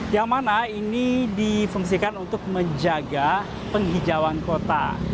yang mana ini difungsikan untuk menjaga penghijauan kota